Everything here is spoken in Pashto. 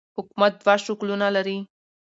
حکومت دوه شکلونه لري.